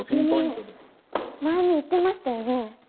主任前に言ってましたよね？